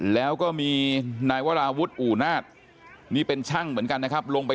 แล้วก็มีนายวราวุฒิอู่นาศนี่เป็นช่างเหมือนกันนะครับลงไป